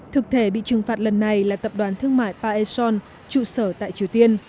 thực thể bị trừng phạt lần này là tập đoàn thương mại paezon trụ sở tại triều tiên